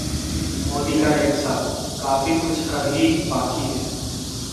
मोदी का एक साल: काफी कुछ अभी बाकी है